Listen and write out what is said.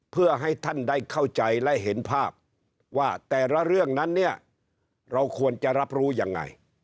เพื่อให้ท่านได้เข้าใจและเห็นภาพว่าแต่ละเรื่องนั้นเนี่ยเราควรจะรับรู้ยังไง